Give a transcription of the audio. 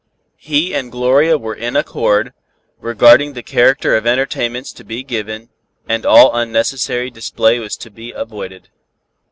He and Gloria were in accord, regarding the character of entertainments to be given, and all unnecessary display was to be avoided.